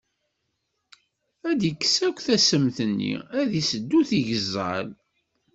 Ad d-ikkes akk tassemt-nni, ad d-iseddu tigeẓẓal.